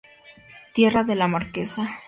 Tierra de la Marquesa.